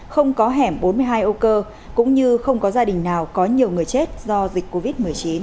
không có hẻm bốn mươi hai âu cơ cũng như không có gia đình nào có nhiều người chết do dịch covid một mươi chín